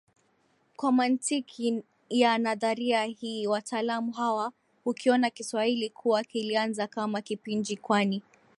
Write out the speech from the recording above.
Kwa mantiki ya nadharia hii wataalamu hawa hukiona Kiswahili kuwa kilianza kama Kipijini kwani